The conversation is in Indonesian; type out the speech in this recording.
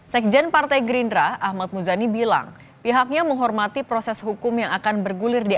sekjen partai gerindra ahmad muzani bilang pihaknya menghormati proses hukum yang akan bergulir di